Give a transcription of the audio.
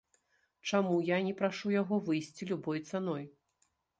Чаму я не прашу яго выйсці любой цаной?